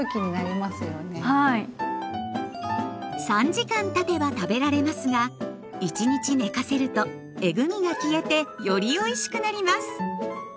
３時間たてば食べられますが１日寝かせるとえぐみが消えてよりおいしくなります。